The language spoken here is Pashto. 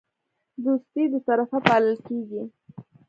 دوستي دوطرفه پالل کیږي